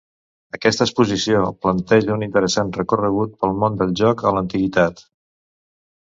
Aquesta exposició planteja un interessant recorregut pel món del joc a l'antiguitat.